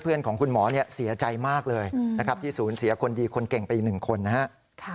ของคุณหมอเสียใจมากเลยนะครับที่ศูนย์เสียคนดีคนเก่งไปอีกหนึ่งคนนะครับ